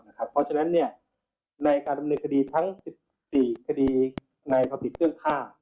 เพราะฉะนั้นในการทำเนื้อคดีทั้ง๑๔คดีในภาพผิกเกี่ยวฆ่า